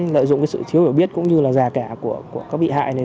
lợi dụng cái sự thiếu hiểu biết cũng như là giả cả của các bị hại này